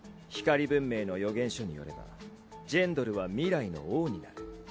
光文明の予言書によればジェンドルは未来の王になる。